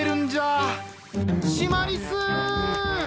シマリスー！